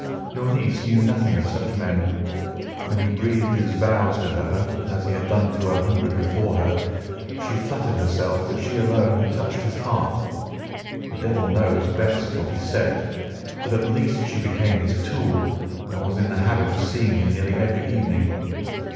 Your niece knew nothing of such men. When he breathed his vows to her, as he had done to a hundred before her, she flattered herself that she alone had touched his heart. The devil knows best what he said, but at least she became his tool and was in the habit of seeing him nearly every evening."